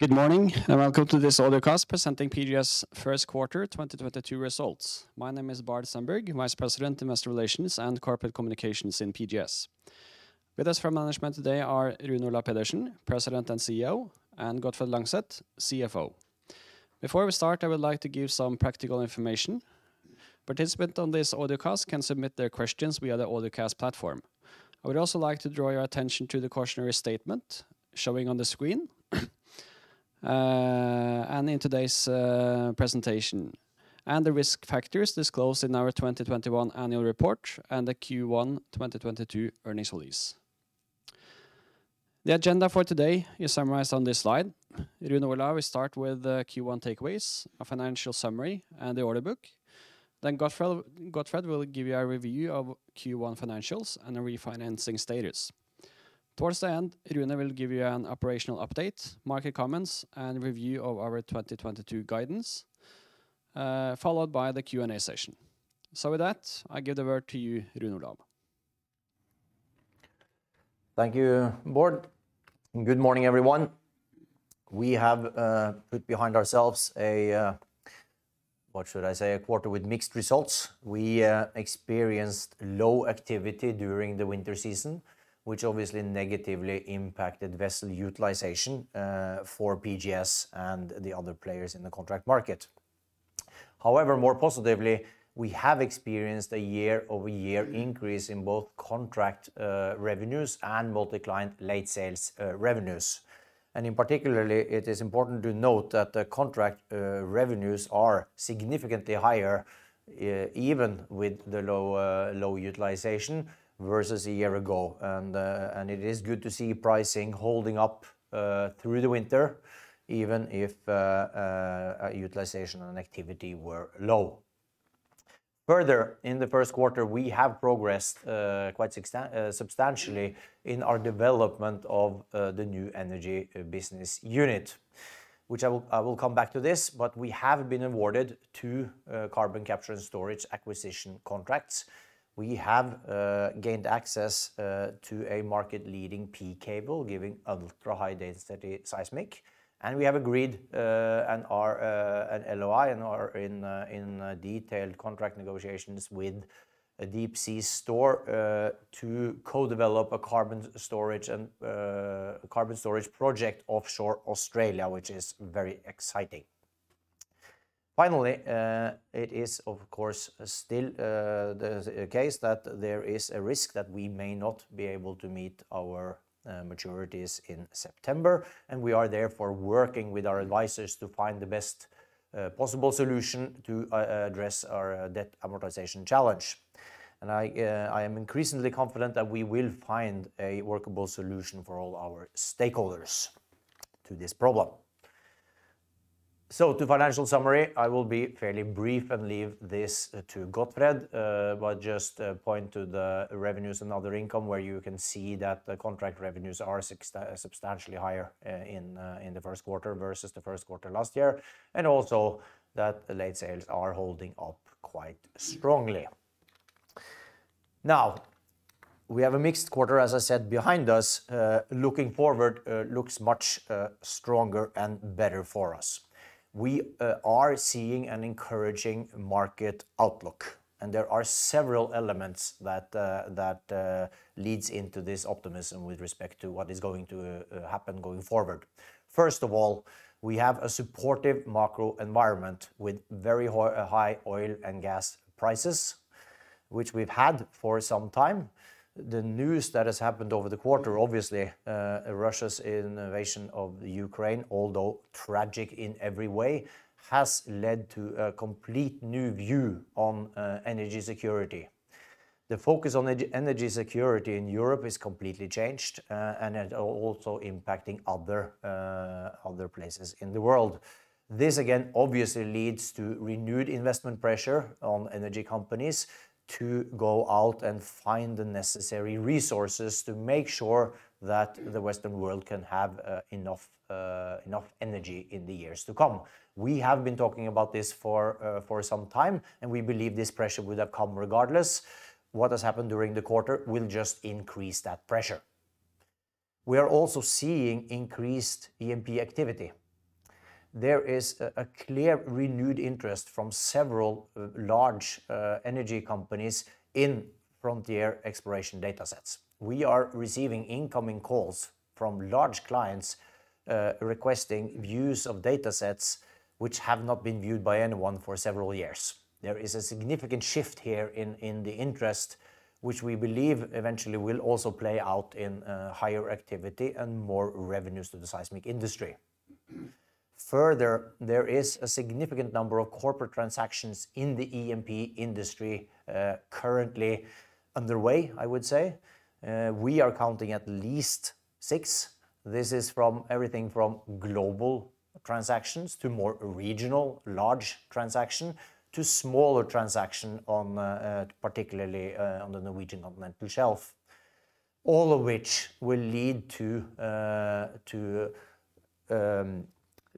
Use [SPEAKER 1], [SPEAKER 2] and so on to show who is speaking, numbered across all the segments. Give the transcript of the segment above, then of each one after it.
[SPEAKER 1] Good morning, and welcome to this audio cast presenting PGS first quarter 2022 results. My name is Bård Stenberg, Vice President, Investor Relations and Corporate Communications in PGS. With us from management today are Rune Olav Pedersen, President and CEO, and Gottfred Langseth, CFO. Before we start, I would like to give some practical information. Participants on this audio cast can submit their questions via the audio cast platform. I would also like to draw your attention to the cautionary statement showing on the screen, and in today's presentation, and the risk factors disclosed in our 2021 annual report and the Q1 2022 earnings release. The agenda for today is summarized on this slide. Rune Olav will start with the Q1 takeaways, a financial summary, and the order book. Then Gottfred will give you a review of Q1 financials and a refinancing status. Towards the end, Rune will give you an operational update, market comments, and review of our 2022 guidance, followed by the Q&A session. With that, I give the word to you, Rune Olav.
[SPEAKER 2] Thank you, Bård, and good morning, everyone. We have put behind ourselves a, what should I say, a quarter with mixed results. We experienced low activity during the winter season, which obviously negatively impacted vessel utilization for PGS and the other players in the contract market. However, more positively, we have experienced a year-over-year increase in both contract revenues and multi-client late sales revenues. In particular, it is important to note that the contract revenues are significantly higher even with the low utilization versus a year ago. It is good to see pricing holding up through the winter, even if utilization and activity were low. Further, in the first quarter, we have progressed quite substantially in our development of the New Energy business unit, which I will come back to this. We have been awarded 2 carbon capture and storage acquisition contracts. We have gained access to a market-leading P-Cable giving ultra-high-density seismic, and we have agreed an LOI and are in detailed contract negotiations with DeepC Store to co-develop a carbon storage project offshore Australia, which is very exciting. Finally, it is, of course, still the case that there is a risk that we may not be able to meet our maturities in September, and we are therefore working with our advisors to find the best possible solution to address our debt amortization challenge. I am increasingly confident that we will find a workable solution for all our stakeholders to this problem. To financial summary, I will be fairly brief and leave this to Gottfred, but just point to the revenues and other income where you can see that the contract revenues are substantially higher in the first quarter versus the first quarter last year, and also that late sales are holding up quite strongly. Now, we have a mixed quarter, as I said, behind us. Looking forward, looks much stronger and better for us. We are seeing an encouraging market outlook, and there are several elements that leads into this optimism with respect to what is going to happen going forward. First of all, we have a supportive macro environment with very high oil and gas prices, which we've had for some time. The news that has happened over the quarter, obviously, Russia's invasion of Ukraine, although tragic in every way, has led to a completely new view on energy security. The focus on energy security in Europe is completely changed, and it also impacting other places in the world. This again, obviously leads to renewed investment pressure on energy companies to go out and find the necessary resources to make sure that the Western world can have enough energy in the years to come. We have been talking about this for some time, and we believe this pressure would have come regardless. What has happened during the quarter will just increase that pressure. We are also seeing increased E&P activity. There is a clear renewed interest from several large energy companies in frontier exploration datasets. We are receiving incoming calls from large clients requesting views of datasets which have not been viewed by anyone for several years. There is a significant shift here in the interest which we believe eventually will also play out in higher activity and more revenues to the seismic industry. Further, there is a significant number of corporate transactions in the E&P industry currently underway, I would say. We are counting at least six. This is from everything from global transactions to more regional large transaction to smaller transaction on particularly on the Norwegian continental shelf. All of which will lead to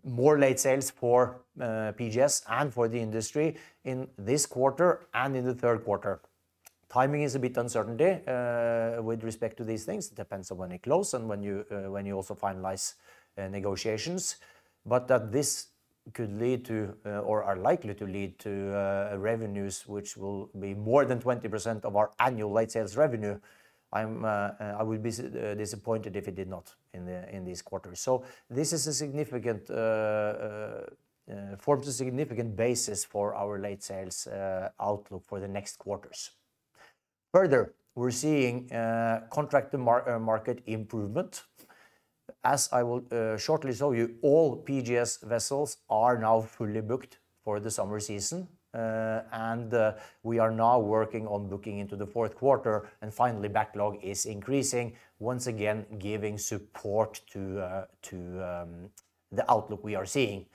[SPEAKER 2] more late sales for PGS and for the industry in this quarter and in the third quarter. Timing is a bit uncertain with respect to these things. It depends on when it closes and when you also finalize negotiations, but this could lead to or is likely to lead to revenues which will be more than 20% of our annual late sales revenue. I will be disappointed if it did not in this quarter. This forms a significant basis for our late sales outlook for the next quarters. Further, we're seeing contract market improvement. As I will shortly show you, all PGS vessels are now fully booked for the summer season, and we are now working on booking into the fourth quarter. Finally, backlog is increasing once again giving support to the outlook we are seeing.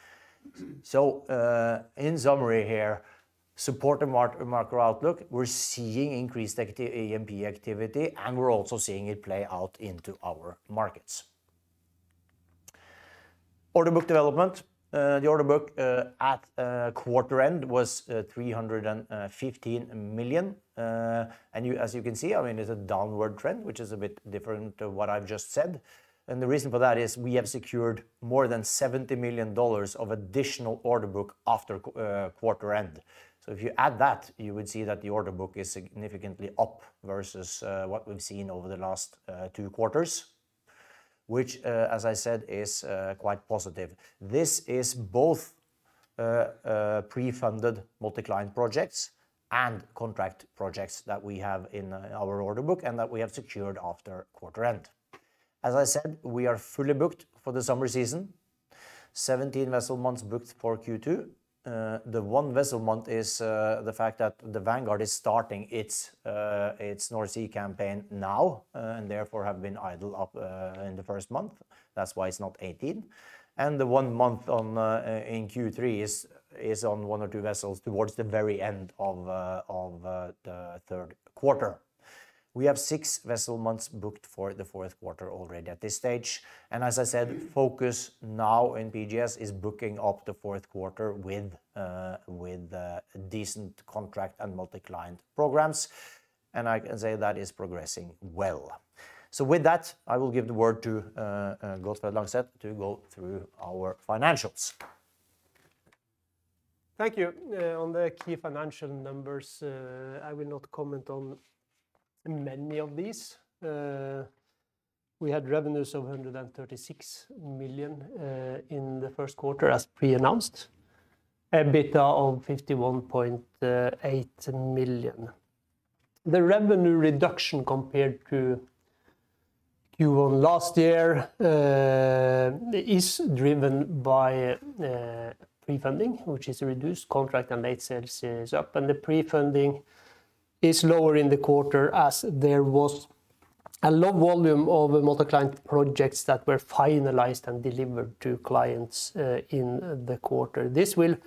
[SPEAKER 2] In summary here, support the market outlook, we're seeing increased activity, and we're also seeing it play out into our markets. Order book development. The order book at quarter end was $315 million. As you can see, I mean, it's a downward trend, which is a bit different to what I've just said. The reason for that is we have secured more than $70 million of additional order book after quarter end. If you add that, you would see that the order book is significantly up versus what we've seen over the last two quarters, which, as I said, is quite positive. This is both pre-funded multi-client projects and contract projects that we have in our order book and that we have secured after quarter end. As I said, we are fully booked for the summer season. 17 vessel months booked for Q2. The one vessel month is the fact that the Vanguard is starting its North Sea campaign now and therefore have been idle up in the first month. That's why it's not 18. The one month on in Q3 is on one or two vessels towards the very end of the third quarter. We have six vessel months booked for the fourth quarter already at this stage. As I said, focus now in PGS is booking up the fourth quarter with decent contract and multi-client programs, and I can say that is progressing well. With that, I will give the word to Gottfred Langseth to go through our financials.
[SPEAKER 3] Thank you. On the key financial numbers, I will not comment on many of these. We had revenues of $136 million in the first quarter as pre-announced, EBITDA of $51.8 million. The revenue reduction compared to Q1 last year is driven by prefunding, which is reduced contract and late sales is up. The prefunding is lower in the quarter as there was a low volume of multi-client projects that were finalized and delivered to clients in the quarter. This will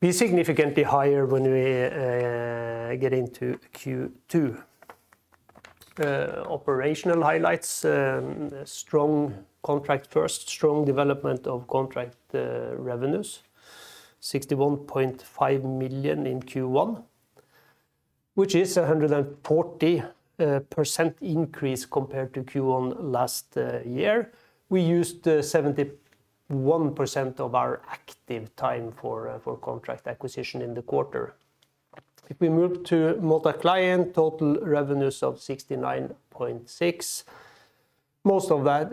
[SPEAKER 3] be significantly higher when we get into Q2. Operational highlights. Strong development of contract revenues $61.5 million in Q1, which is a 140% increase compared to Q1 last year. We used 71% of our active time for contract acquisition in the quarter. If we move to multi-client, total revenues of $69.6 million. Most of that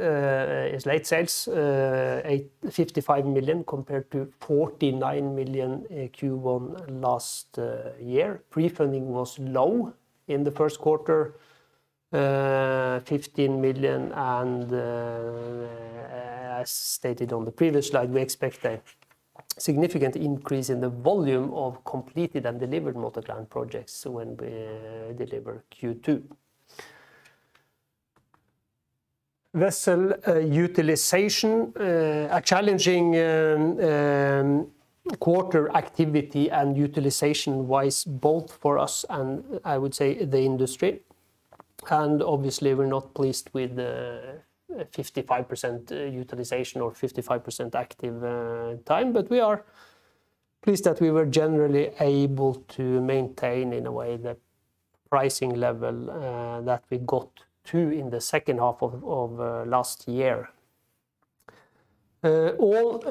[SPEAKER 3] is late sales, eighty-five million compared to forty-nine million in Q1 last year. Prefunding was low in the first quarter, fifteen million and, as stated on the previous slide, we expect a significant increase in the volume of completed and delivered multi-client projects when we deliver Q2. Vessel utilization, a challenging quarter activity and utilization-wise, both for us and I would say the industry. Obviously, we're not pleased with the 55% utilization or 55% active time. We are pleased that we were generally able to maintain in a way the pricing level that we got to in the second half of last year. All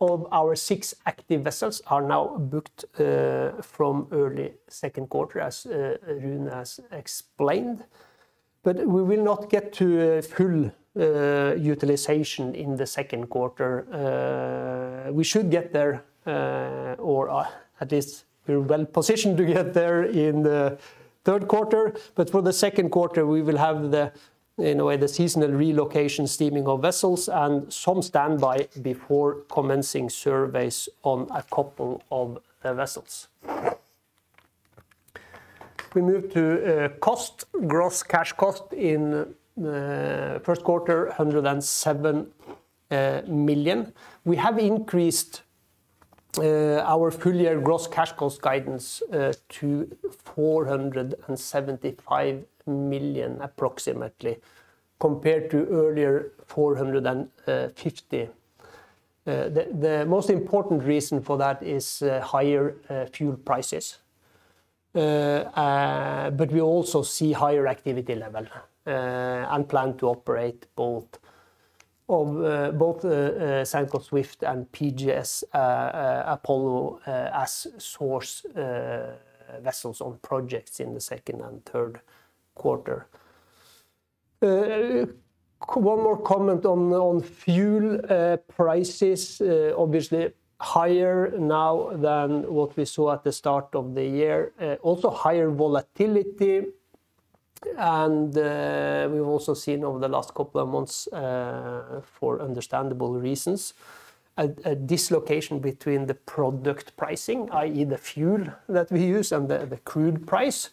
[SPEAKER 3] of our six active vessels are now booked from early second quarter, as Rune has explained, but we will not get to a full utilization in the second quarter. We should get there or at least we're well positioned to get there in the third quarter. For the second quarter, we will have, in a way, the seasonal relocation steaming of vessels and some standby before commencing surveys on a couple of the vessels. We move to cost. Gross cash cost in the first quarter $107 million. We have increased our full year gross cash cost guidance to $475 million approximately compared to earlier $450. The most important reason for that is higher fuel prices. We also see higher activity level and plan to operate both Sanco Swift and PGS Apollo as source vessels on projects in the second and third quarter. One more comment on fuel prices. Obviously higher now than what we saw at the start of the year. Also higher volatility and we've also seen over the last couple of months for understandable reasons a dislocation between the product pricing, i.e. The fuel that we use and the crude price,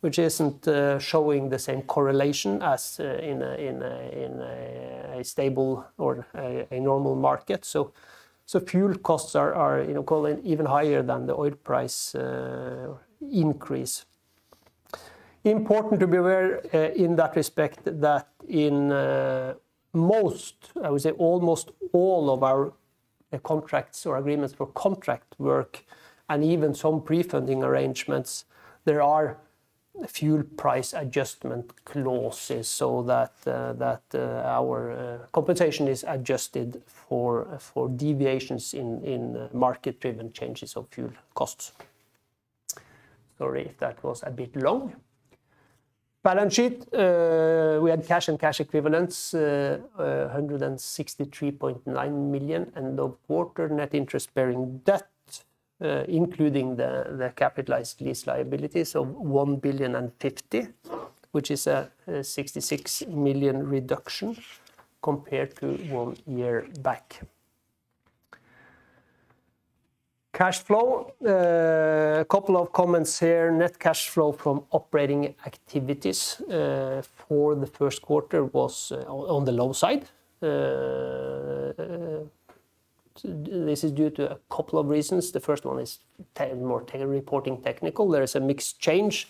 [SPEAKER 3] which isn't showing the same correlation as in a stable or a normal market. Fuel costs are, you know, going even higher than the oil price increase. Important to be aware in that respect that in most, I would say almost all of our contracts or agreements for contract work and even some pre-funding arrangements, there are fuel price adjustment clauses so that our compensation is adjusted for deviations in market-driven changes of fuel costs. Sorry, that was a bit long. Balance sheet. We had cash and cash equivalents, $163.9 million, end of quarter net interest-bearing debt, including the capitalized lease liabilities of $1.05 billion, which is a $66 million reduction compared to one year back. Cash flow. A couple of comments here. Net cash flow from operating activities for the first quarter was on the low side. This is due to a couple of reasons. The first one is more reporting technical. There is a mixed change.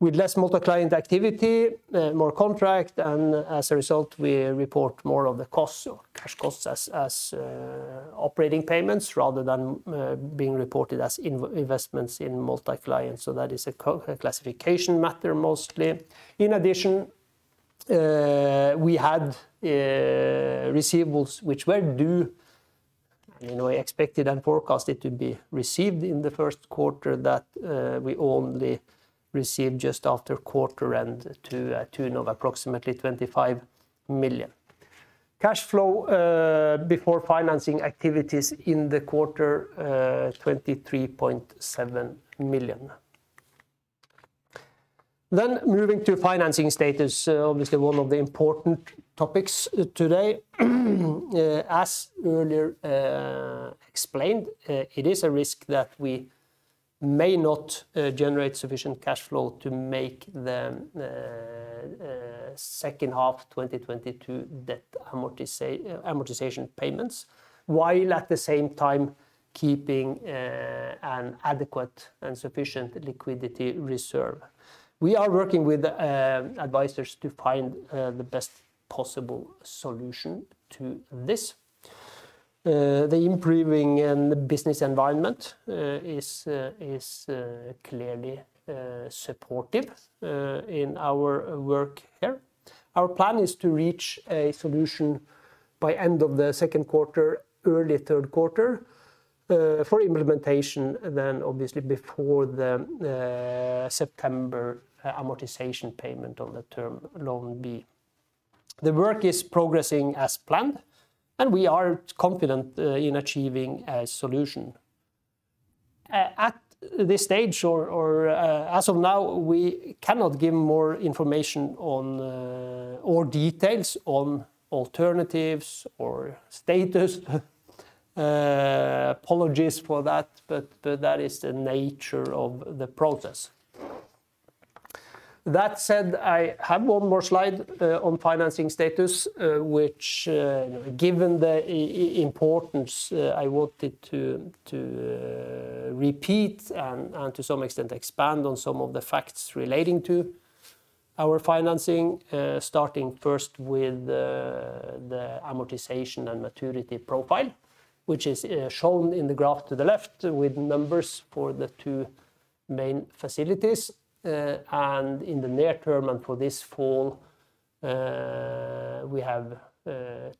[SPEAKER 3] With less multi-client activity, more contract, and as a result, we report more of the costs or cash costs as operating payments rather than being reported as investments in multi-client. That is a classification matter mostly. In addition, we had receivables which were due, you know, expected and forecasted to be received in the first quarter that we only received just after quarter and to a tune of approximately $25 million. Cash flow before financing activities in the quarter $23.7 million. Moving to financing status, obviously one of the important topics today. As earlier explained, it is a risk that we may not generate sufficient cash flow to make the second half 2022 debt amortization payments, while at the same time keeping an adequate and sufficient liquidity reserve. We are working with advisors to find the best possible solution to this. The improvement in the business environment is clearly supportive in our work here. Our plan is to reach a solution by end of the second quarter, early third quarter, for implementation then obviously before the September amortization payment on the term loan B. The work is progressing as planned, and we are confident in achieving a solution. At this stage or as of now, we cannot give more information on or details on alternatives or status. Apologies for that, but that is the nature of the process. That said, I have one more slide on financing status, which, given the importance, I wanted to repeat and to some extent expand on some of the facts relating to our financing, starting first with the amortization and maturity profile, which is shown in the graph to the left with numbers for the two main facilities. In the near term and for this fall, we have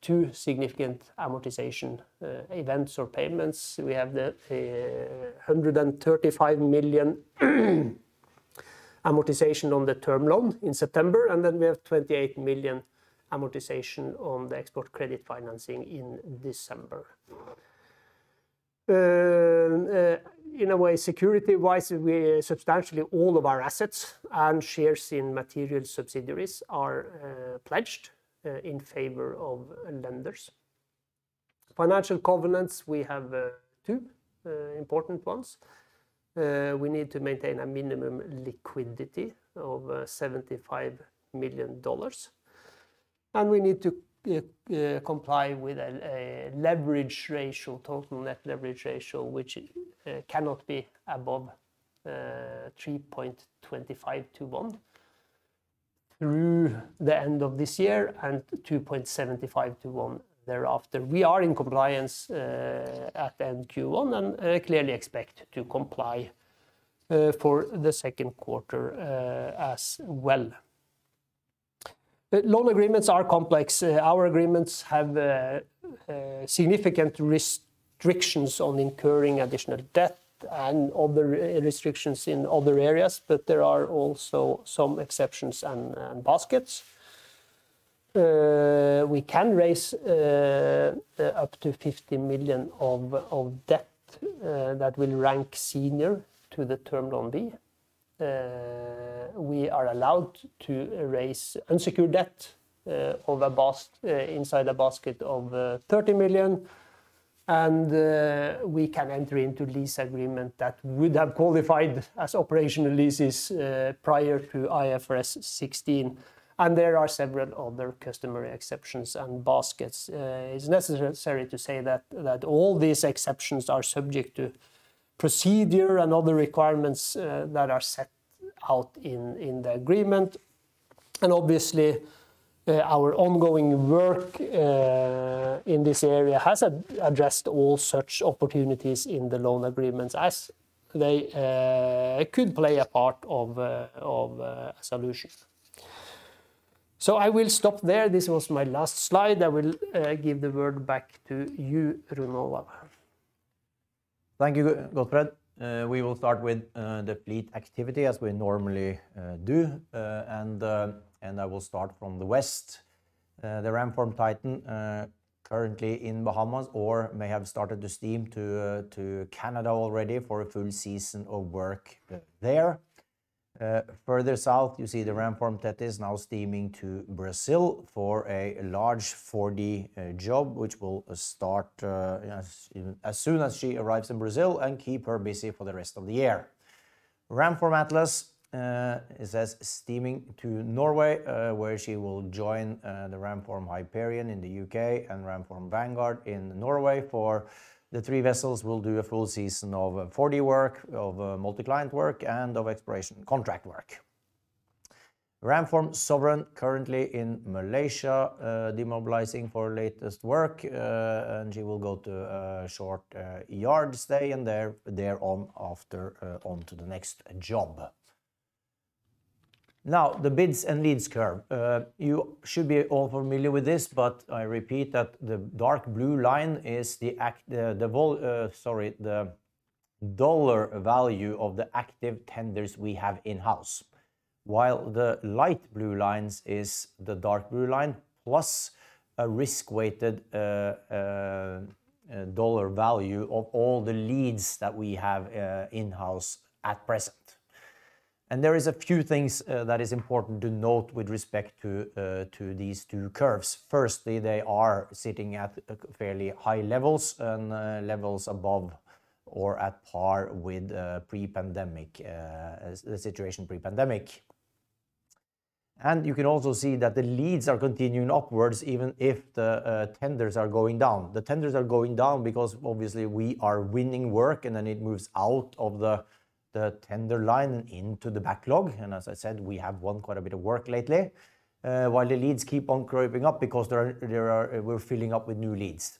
[SPEAKER 3] two significant amortization events or payments. We have the $135 million amortization on the term loan in September, and then we have $28 million amortization on the export credit financing in December. In a way, security-wise, substantially all of our assets and shares in material subsidiaries are pledged in favor of lenders. Financial covenants, we have two important ones. We need to maintain a minimum liquidity of $75 million. We need to comply with a leverage ratio, total net leverage ratio, which cannot be above 3.25 to 1 through the end of this year and 2.75 to 1 thereafter. We are in compliance at end Q1 and clearly expect to comply for the second quarter as well. Loan agreements are complex. Our agreements have significant restrictions on incurring additional debt and other restrictions in other areas, but there are also some exceptions and baskets. We can raise up to $50 million of debt that will rank senior to the term loan B. We are allowed to raise unsecured debt inside a basket of $30 million. We can enter into lease agreement that would have qualified as operational leases prior to IFRS 16. There are several other customer exceptions and baskets. It's necessary to say that all these exceptions are subject to procedure and other requirements that are set out in the agreement. Obviously, our ongoing work in this area has addressed all such opportunities in the loan agreements as they could play a part of solution. I will stop there. This was my last slide. I will give the word back to you, Rune Olav.
[SPEAKER 2] Thank you, Gottfred. We will start with the fleet activity as we normally do. I will start from the west. The Ramform Titan currently in Bahamas or may have started to steam to Canada already for a full season of work there. Further south, you see the Ramform Tethys now steaming to Brazil for a large 4D job, which will start as soon as she arrives in Brazil and keep her busy for the rest of the year. Ramform Atlas is steaming to Norway, where she will join the Ramform Hyperion in the UK and Ramform Vanguard in Norway, for the three vessels will do a full season of 4D work, of multi-client work, and of exploration contract work. Ramform Sovereign currently in Malaysia, demobilizing for latest work, and she will go to a short yard stay and thereon after, on to the next job. Now, the bids and leads curve. You should be all familiar with this, but I repeat that the dark blue line is the dollar value of the active tenders we have in-house. While the light blue line is the dark blue line, plus a risk-weighted dollar value of all the leads that we have in-house at present. There is a few things that is important to note with respect to these two curves. Firstly, they are sitting at fairly high levels and levels above or at par with pre-pandemic the situation pre-pandemic. You can also see that the leads are continuing upwards, even if the tenders are going down. The tenders are going down because obviously we are winning work and then it moves out of the tender line into the backlog. As I said, we have won quite a bit of work lately, while the leads keep on creeping up because we are filling up with new leads.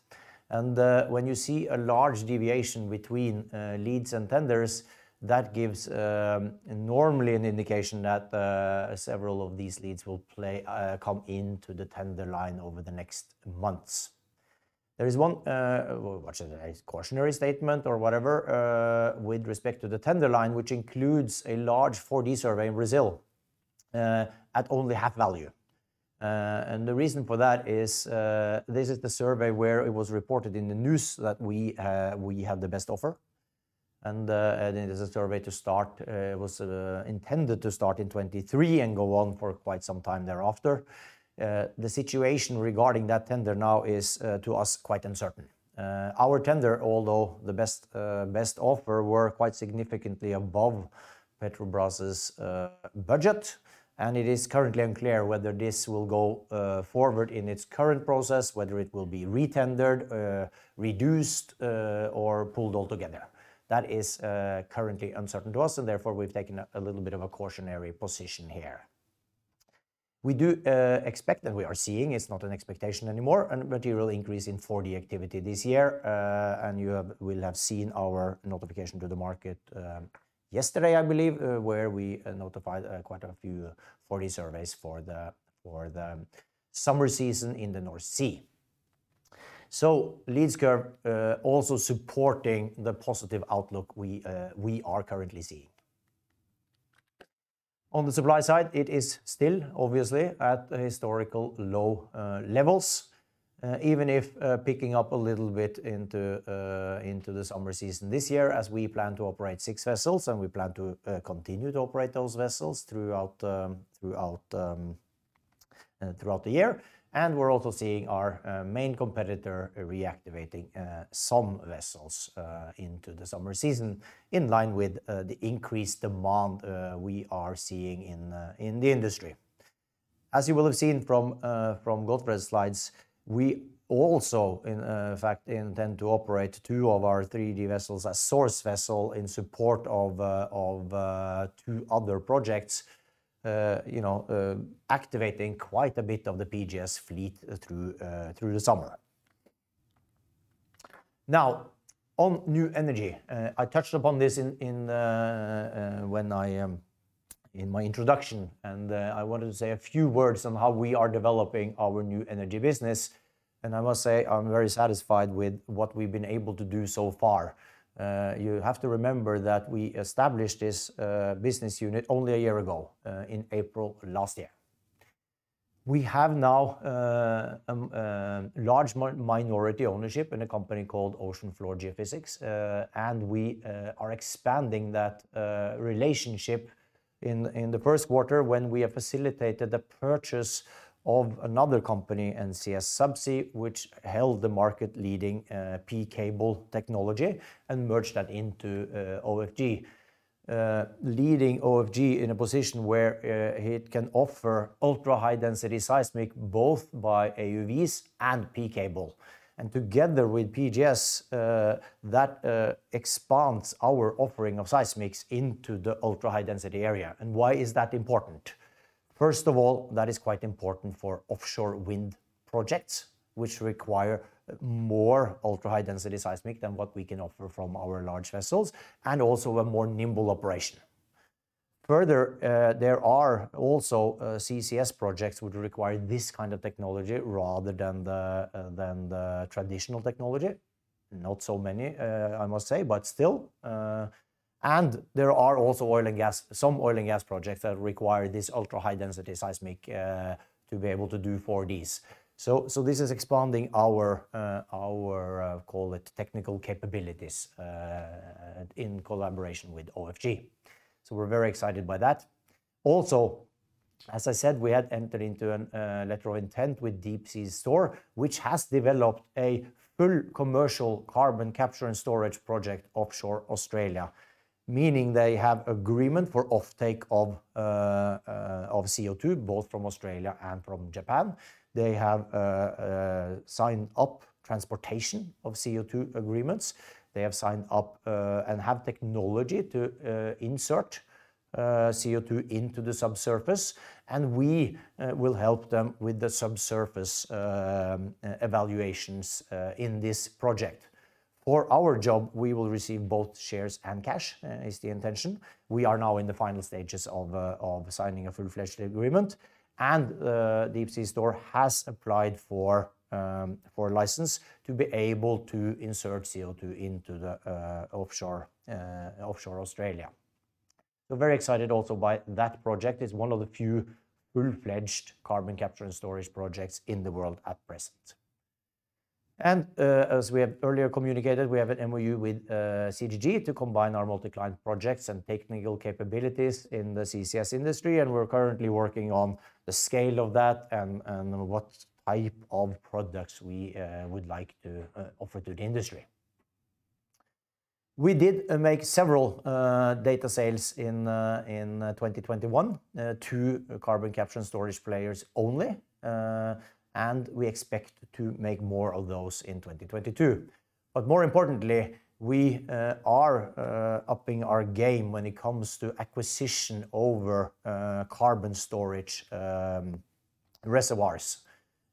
[SPEAKER 2] When you see a large deviation between leads and tenders, that gives normally an indication that several of these leads will come into the tender line over the next months. There is one, what is it? A cautionary statement or whatever, with respect to the tender line, which includes a large 4D survey in Brazil, at only half value. The reason for that is this is the survey where it was reported in the news that we had the best offer. It is a survey to start. It was intended to start in 2023 and go on for quite some time thereafter. The situation regarding that tender now is, to us, quite uncertain. Our tender, although the best offer were quite significantly above Petrobras's budget, and it is currently unclear whether this will go forward in its current process, whether it will be re-tendered, reduced, or pulled altogether. That is currently uncertain to us, and therefore we've taken a little bit of a cautionary position here. We do expect, and we are seeing, it's not an expectation anymore, a material increase in 4D activity this year, and you will have seen our notification to the market yesterday, I believe, where we notified quite a few 4D surveys for the summer season in the North Sea. So leads curve also supporting the positive outlook we are currently seeing. On the supply side, it is still obviously at historical low levels, even if picking up a little bit into the summer season this year as we plan to operate six vessels and we plan to continue to operate those vessels throughout the year. We're also seeing our main competitor reactivating some vessels into the summer season in line with the increased demand we are seeing in the industry. As you will have seen from Gottfred's slides, we also in fact intend to operate two of our 3D vessels as source vessel in support of two other projects, you know, activating quite a bit of the PGS fleet through the summer. Now on New Energy. I touched upon this in my introduction, and I wanted to say a few words on how we are developing our New Energy business. I must say I'm very satisfied with what we've been able to do so far. You have to remember that we established this business unit only a year ago in April last year. We have now large minority ownership in a company called Ocean Floor Geophysics, and we are expanding that relationship in the first quarter when we have facilitated the purchase of another company, NCS SubSea, which held the market-leading P-Cable technology and merged that into OFG, leading OFG in a position where it can offer ultra-high-density seismic, both by AUVs and P-Cable. Together with PGS, that expands our offering of seismics into the ultra-high-density area. Why is that important? First of all, that is quite important for offshore wind projects, which require more ultra-high-density seismic than what we can offer from our large vessels, and also a more nimble operation. Further, there are also CCS projects which require this kind of technology rather than the traditional technology. Not so many, I must say, but still. There are also oil and gas, some oil and gas projects that require this ultra-high-density seismic to be able to do for these. This is expanding our call it technical capabilities in collaboration with OFG. We're very excited by that. Also, as I said, we had entered into a letter of intent with DeepC Store, which has developed a full commercial carbon capture and storage project offshore Australia, meaning they have agreement for offtake of CO2, both from Australia and from Japan. They have signed up transportation of CO2 agreements. They have signed up and have technology to insert CO2 into the subsurface, and we will help them with the subsurface evaluations in this project. For our job, we will receive both shares and cash is the intention. We are now in the final stages of signing a full-fledged agreement, and DeepC Store has applied for license to be able to insert CO2 into the offshore Australia. Very excited also by that project. It's one of the few full-fledged carbon capture and storage projects in the world at present. As we have earlier communicated, we have an MOU with CGG to combine our multi-client projects and technical capabilities in the CCS industry, and we're currently working on the scale of that and what type of products we would like to offer to the industry. We did make several data sales in 2021 to carbon capture and storage players only. We expect to make more of those in 2022. More importantly, we are upping our game when it comes to acquisition over carbon storage reservoirs.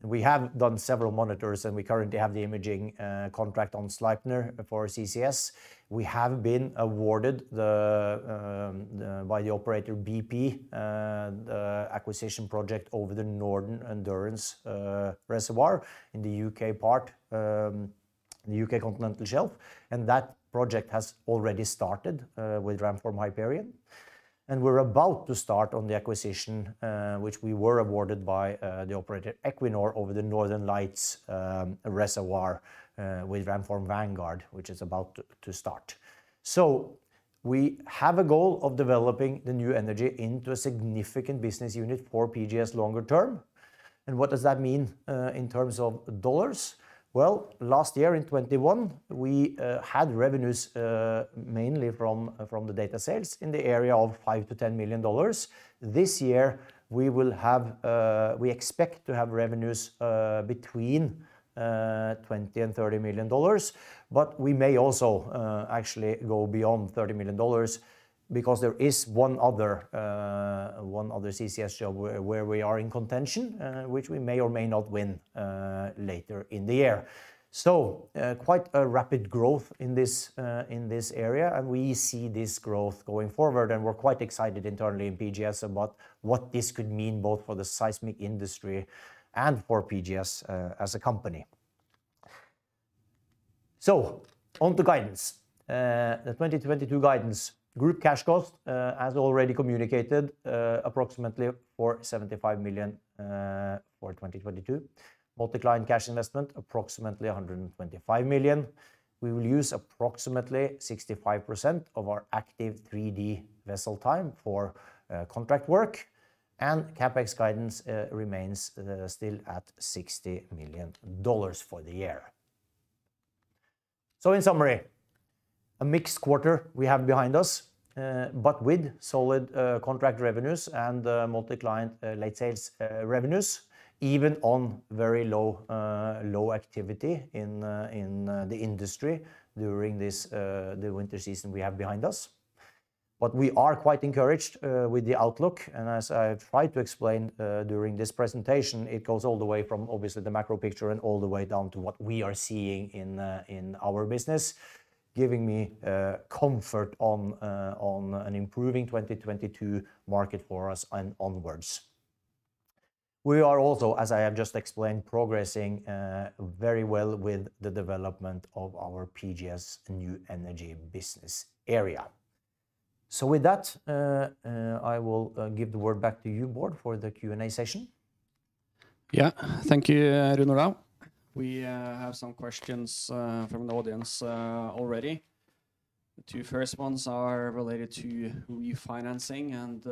[SPEAKER 2] We have done several monitors, and we currently have the imaging contract on Sleipner for CCS. We have been awarded by the operator bp the acquisition project over the Northern Endurance Reservoir in the UK part, the UK Continental Shelf, and that project has already started with Ramform Hyperion. We're about to start on the acquisition, which we were awarded by the operator Equinor over the Northern Lights Reservoir, with Ramform Vanguard, which is about to start. We have a goal of developing the New Energy into a significant business unit for PGS longer term. What does that mean in terms of dollars? Well, last year in 2021, we had revenues mainly from the data sales in the area of $5-$10 million. This year, we expect to have revenues between $20 million and $30 million. We may also actually go beyond $30 million because there is one other CCS job where we are in contention, which we may or may not win later in the year. Quite a rapid growth in this area. We see this growth going forward, and we're quite excited internally in PGS about what this could mean both for the seismic industry and for PGS as a company. On to guidance. The 2022 guidance group cash cost, as already communicated, approximately $475 million for 2022. Multi-client cash investment approximately $125 million. We will use approximately 65% of our active 3D vessel time for contract work, and CapEx guidance remains still at $60 million for the year. In summary, a mixed quarter we have behind us, but with solid contract revenues and multi-client late sales revenues, even on very low activity in the industry during this winter season we have behind us. We are quite encouraged with the outlook, and as I tried to explain during this presentation, it goes all the way from obviously the macro picture and all the way down to what we are seeing in our business, giving me comfort on an improving 2022 market for us and onwards. We are also, as I have just explained, progressing very well with the development of our PGS' New Energy business area. With that, I will give the word back to you, Bård, for the Q&A session.
[SPEAKER 1] Yeah. Thank you, Rune Olav. We have some questions from the audience already. The two first ones are related to refinancing, and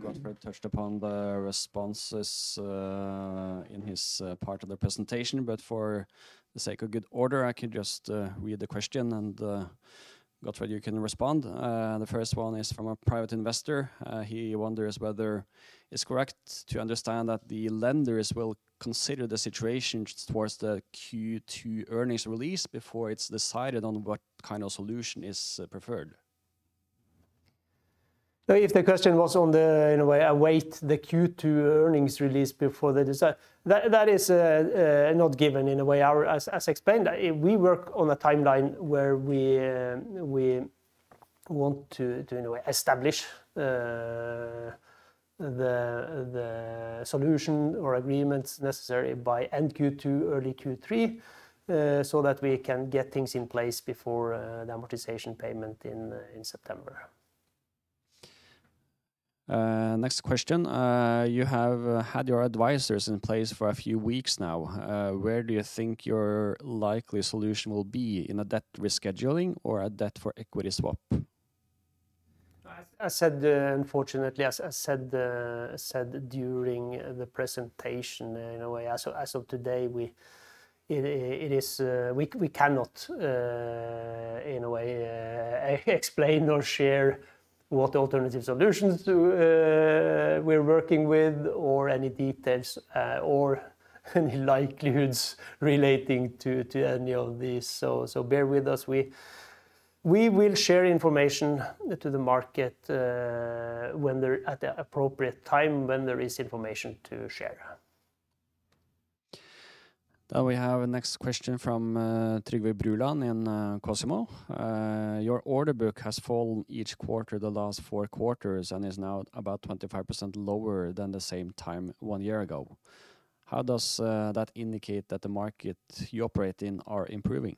[SPEAKER 1] Gottfred touched upon the responses in his part of the presentation. For the sake of good order, I can just read the question and Gottfred, you can respond. The first one is from a private investor. He wonders whether it's correct to understand that the lenders will consider the situation towards the Q2 earnings release before it's decided on what kind of solution is preferred.
[SPEAKER 3] If the question was on the in a way await the Q2 earnings release before they decide, that is not given in a way. As explained, we work on a timeline where we want to in a way establish the solution or agreements necessary by end Q2, early Q3, so that we can get things in place before the amortization payment in September.
[SPEAKER 1] Next question. You have had your advisors in place for a few weeks now. Where do you think your likely solution will be, in a debt rescheduling or a debt for equity swap?
[SPEAKER 3] As said, unfortunately, as said during the presentation, in a way, as of today, it is. We cannot, in a way, explain or share what alternative solutions we're working with or any details, or any likelihoods relating to any of these. Bear with us. We will share information to the market at the appropriate time when there is information to share.
[SPEAKER 1] We have a next question from Trygve Bruland in Cosimo. Your order book has fallen each quarter the last four quarters and is now about 25% lower than the same time one year ago. How does that indicate that the market you operate in are improving?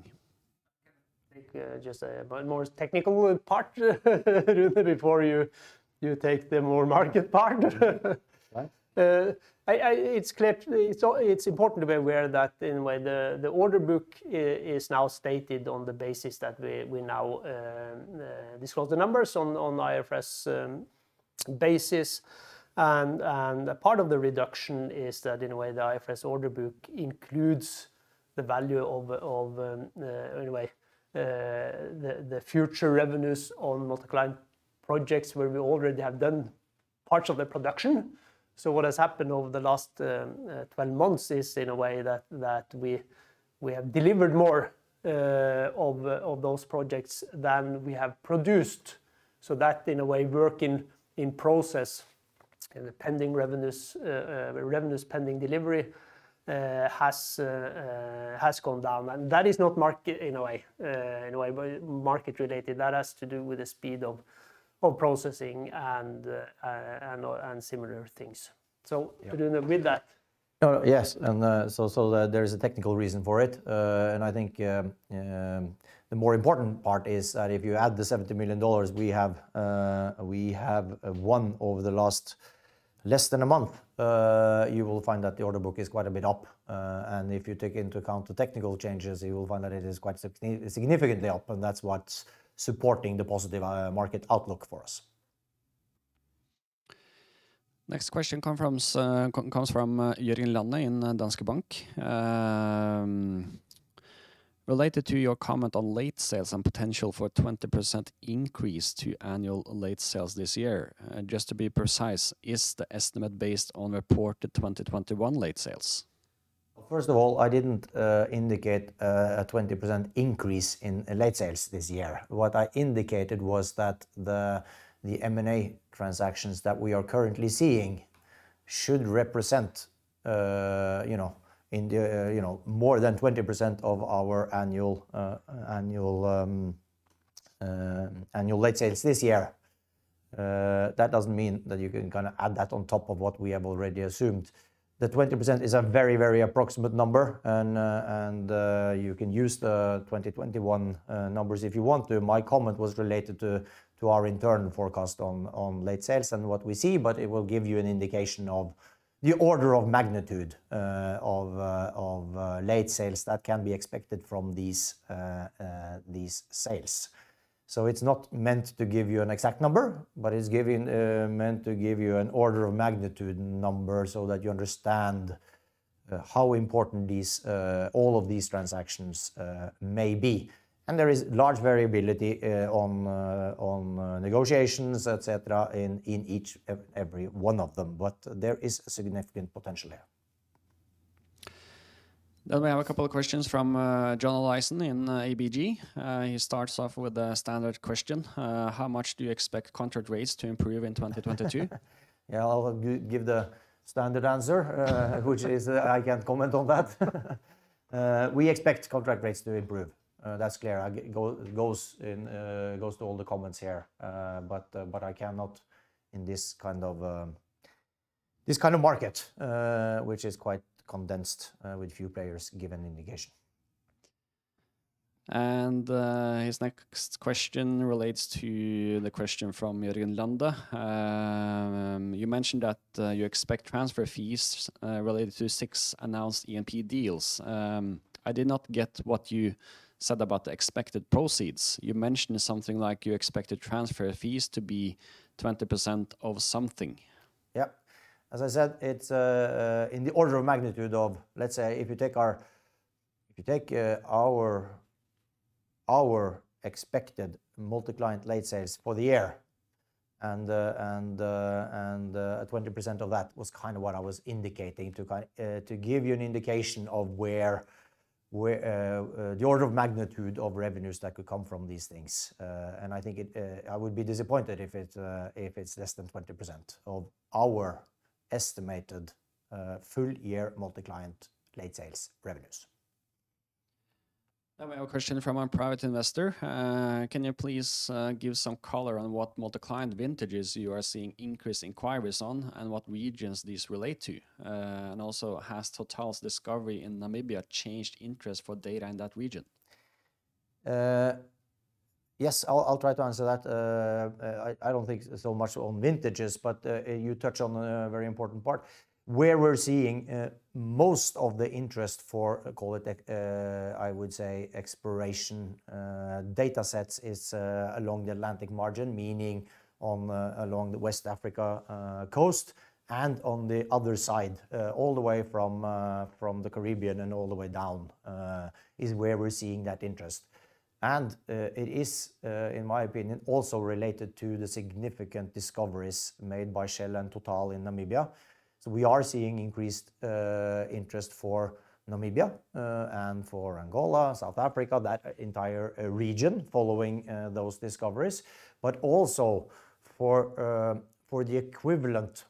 [SPEAKER 3] I can take just one more technical part before you take the more market part.
[SPEAKER 2] Right.
[SPEAKER 3] It's important to be aware that in a way the order book is now stated on the basis that we now disclose the numbers on IFRS basis. A part of the reduction is that in a way the IFRS order book includes the value of in a way the future revenues on multi-client projects where we already have done parts of the production. What has happened over the last 12 months is in a way that we have delivered more of those projects than we have produced. That, in a way, work in process, the pending revenues pending delivery, has gone down. That is not market, in a way, market related. That has to do with the speed of processing and similar things.
[SPEAKER 2] Yeah
[SPEAKER 3] Rune, with that.
[SPEAKER 2] No, yes, there is a technical reason for it. I think the more important part is that if you add the $70 million we have won over the last less than a month, you will find that the order book is quite a bit up. If you take into account the technical changes, you will find that it is quite significantly up, and that's what's supporting the positive market outlook for us.
[SPEAKER 1] Next question comes from Jørgen Lanøe in Danske Bank. Related to your comment on late sales and potential for 20% increase to annual late sales this year. Just to be precise, is the estimate based on reported 2021 late sales?
[SPEAKER 2] First of all, I didn't indicate a 20% increase in late sales this year. What I indicated was that the M&A transactions that we are currently seeing should represent you know more than 20% of our annual late sales this year. That doesn't mean that you can kind of add that on top of what we have already assumed. The 20% is a very, very approximate number and you can use the 2021 numbers if you want to. My comment was related to our internal forecast on late sales and what we see, but it will give you an indication of the order of magnitude of late sales that can be expected from these sales. It's not meant to give you an exact number, but it's meant to give you an order of magnitude number so that you understand how important all of these transactions may be. There is large variability on negotiations, et cetera, in every one of them. There is significant potential there.
[SPEAKER 1] We have a couple of questions from John Olaisen in ABG. He starts off with a standard question. How much do you expect contract rates to improve in 2022?
[SPEAKER 2] Yeah, I'll give the standard answer, which is that I can't comment on that. We expect contract rates to improve. That's clear. It goes in, goes to all the comments here. I cannot in this kind of market, which is quite condensed, with few players give an indication.
[SPEAKER 1] His next question relates to the question from Jørgen Lanøe. You mentioned that you expect transfer fees related to 6 announced E&P deals. I did not get what you said about the expected proceeds. You mentioned something like you expected transfer fees to be 20% of something.
[SPEAKER 2] Yep. As I said, it's in the order of magnitude of, let's say, if you take our expected multi-client late sales for the year and 20% of that was kind of what I was indicating to give you an indication of where the order of magnitude of revenues that could come from these things. I think I would be disappointed if it's less than 20% of our estimated full-year multi-client late sales revenues.
[SPEAKER 1] We have a question from a private investor. Can you please give some color on what multi-client vintages you are seeing increased inquiries on and what regions these relate to? Has TotalEnergies's discovery in Namibia changed interest for data in that region?
[SPEAKER 2] Yes, I'll try to answer that. I don't think so much on vintages, but you touch on a very important part. Where we're seeing most of the interest for, call it, I would say exploration data sets is along the Atlantic margin, meaning along the West Africa coast and on the other side all the way from the Caribbean and all the way down is where we're seeing that interest. It is in my opinion also related to the significant discoveries made by Shell and TotalEnergies in Namibia. We are seeing increased interest for Namibia and for Angola, South Africa, that entire region following those discoveries, but also for the equivalent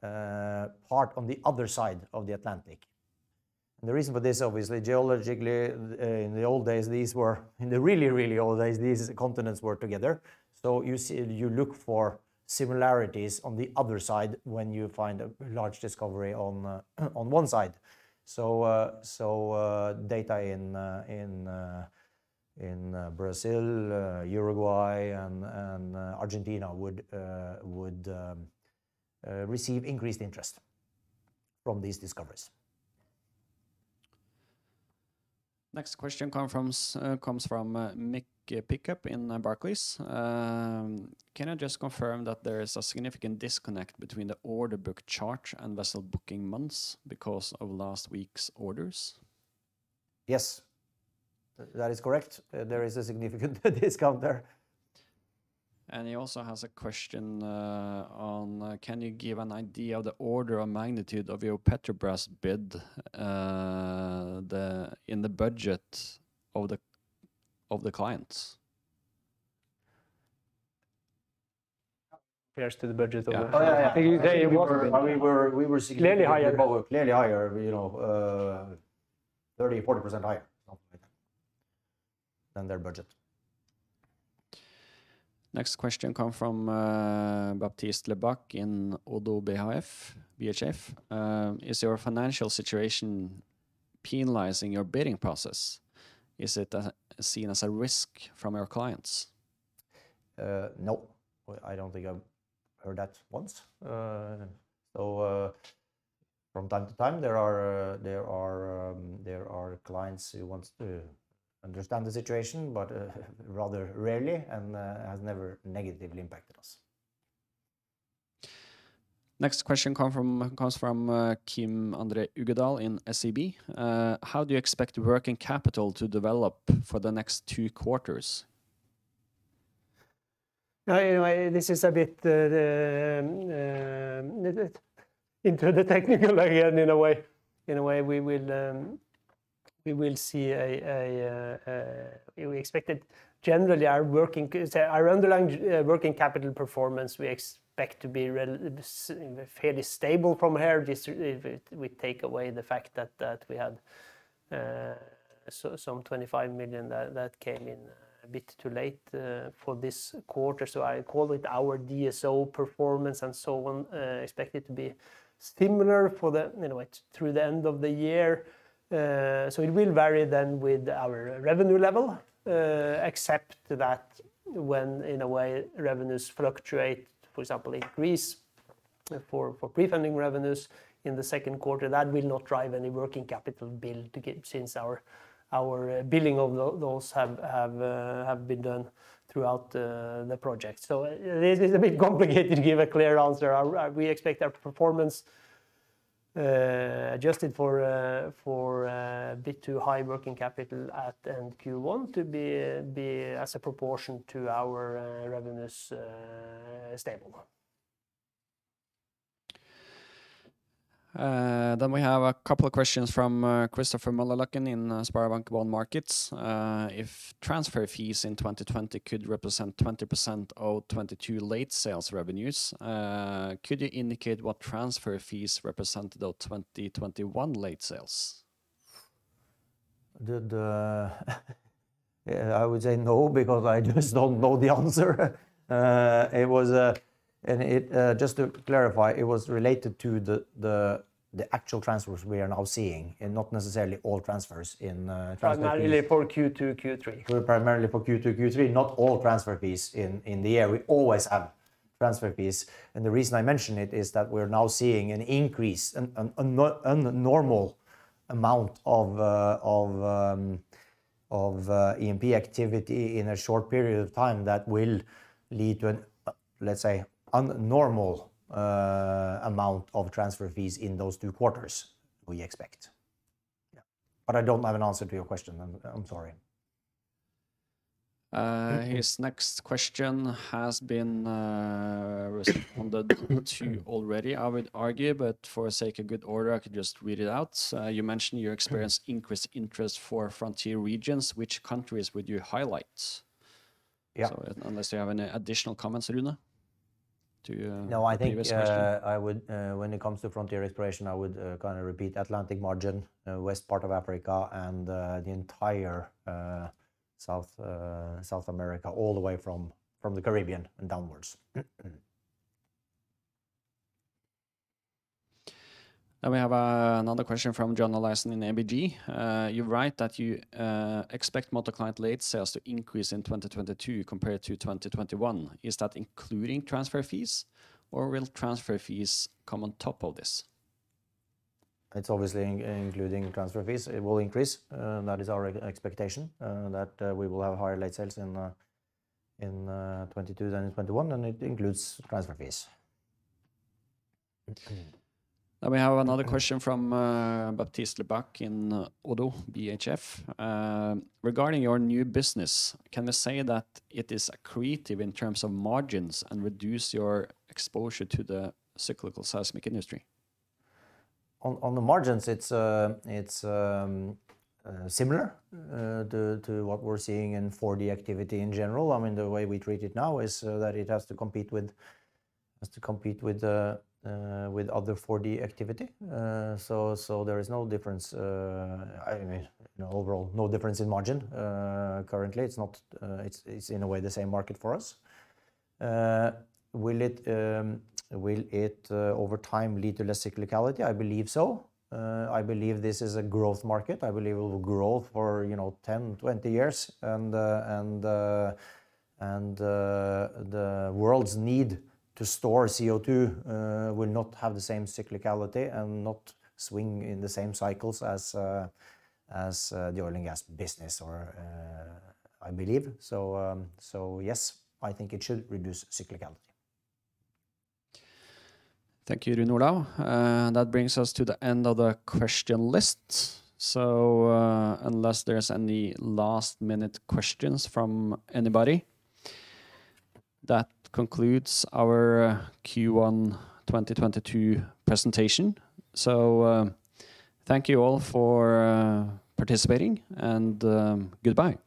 [SPEAKER 2] part on the other side of the Atlantic. The reason for this, obviously geologically, in the really, really old days, these continents were together. You see, you look for similarities on the other side when you find a large discovery on one side. Data in Brazil, Uruguay and Argentina would receive increased interest from these discoveries.
[SPEAKER 1] Next question comes from Mick Pickup from in Barclays. Can I just confirm that there is a significant disconnect between the order book chart and vessel booking months because of last week's orders?
[SPEAKER 2] Yes. That is correct. There is a significant discount there.
[SPEAKER 1] He also has a question on, can you give an idea of the order of magnitude of your Petrobras bid in the budget of the clients? Compares to the budget of the-
[SPEAKER 2] Yeah.
[SPEAKER 1] They were-
[SPEAKER 2] I mean, we were.
[SPEAKER 1] Clearly higher.
[SPEAKER 2] Clearly higher, you know, 30%-40% higher, something like that, than their budget.
[SPEAKER 1] Next question comes from Baptiste Lebac in Oddo BHF. Is your financial situation penalizing your bidding process? Is it seen as a risk from your clients?
[SPEAKER 2] No. I don't think I've heard that once. From time to time, there are clients who wants to understand the situation, but rather rarely and has never negatively impacted us.
[SPEAKER 1] Next question comes from Kim André Uggedahl in SEB. How do you expect working capital to develop for the next two quarters?
[SPEAKER 3] In a way, this is a bit into the technical again, in a way. In a way, we will see. We expect that generally our working, say, our underlying working capital performance, we expect to be fairly stable from here. Just if we take away the fact that we had some $25 million that came in a bit too late for this quarter. I call it our DSO performance and so on, expect it to be similar, in a way, through the end of the year. It will vary then with our revenue level, except that when, in a way, revenues fluctuate, for example, increase.
[SPEAKER 2] For prefunding revenues in the second quarter that will not drive any working capital build-up. Since our billing of those have been done throughout the project. It is a bit complicated to give a clear answer. We expect our performance, adjusted for a bit too high working capital at end Q1 to be as a proportion to our revenues, stable.
[SPEAKER 1] We have a couple of questions from Christopher Møller-Lekven in SpareBank 1 Markets. If transfer fees in 2020 could represent 20% of 2022 late sales revenues, could you indicate what transfer fees represented of 2021 late sales?
[SPEAKER 2] I would say no, because I just don't know the answer. It was just to clarify, it was related to the actual transfers we are now seeing and not necessarily all transfers in transfer fees.
[SPEAKER 1] Primarily for Q2, Q3.
[SPEAKER 2] We're primarily for Q2, Q3, not all transfer fees in the year. We always have transfer fees. The reason I mention it is that we're now seeing an increase, an abnormal amount of E&P activity in a short period of time that will lead to, let's say, abnormal amount of transfer fees in those two quarters, we expect.
[SPEAKER 1] Yeah.
[SPEAKER 2] I don't have an answer to your question. I'm sorry.
[SPEAKER 1] His next question has been responded to already I would argue, but for sake of good order, I could just read it out. You mentioned you experienced increased interest for frontier regions, which countries would you highlight?
[SPEAKER 2] Yeah.
[SPEAKER 1] Unless you have any additional comments, Rune.
[SPEAKER 2] No, I think.
[SPEAKER 1] The previous question.
[SPEAKER 2] When it comes to frontier exploration, I would kind of repeat Atlantic margin, west part of Africa, and the entire South America, all the way from the Caribbean and downwards.
[SPEAKER 1] We have another question from John Olaisen in ABG. You write that you expect multi-client late sales to increase in 2022 compared to 2021. Is that including transfer fees or will transfer fees come on top of this?
[SPEAKER 2] It's obviously including transfer fees. It will increase, that is our expectation, that we will have higher late sales in 2022 than in 2021, and it includes transfer fees.
[SPEAKER 1] Okay. We have another question from Baptiste Lebacq in Oddo BHF. Regarding your new business, can you say that it is accretive in terms of margins and reduce your exposure to the cyclical seismic industry?
[SPEAKER 2] On the margins, it's similar to what we're seeing in 4D activity in general. I mean, the way we treat it now is that it has to compete with other 4D activity. There is no difference, I mean, you know, overall, no difference in margin. Currently it's not, it's in a way the same market for us. Will it over time lead to less cyclicality? I believe so. I believe this is a growth market. I believe it will grow for, you know, 10, 20 years and the world's need to store CO2 will not have the same cyclicality and not swing in the same cycles as the oil and gas business or I believe so yes, I think it should reduce cyclicality.
[SPEAKER 1] Thank you, Rune Olav. That brings us to the end of the question list. Unless there's any last minute questions from anybody, that concludes our Q1 2022 presentation. Thank you all for participating and goodbye.